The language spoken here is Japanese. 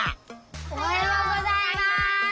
おはようございます！